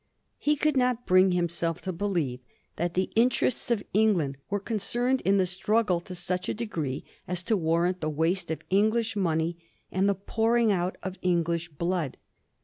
He could not bring himself to. believe that the interests of England were concerned in the struggle to such a de gree as to warrant the waste of English money and the pouring out of English blood.